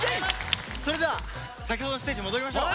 それでは先ほどのステージに戻りましょう。